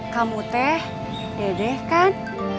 kamu teh dedeh kan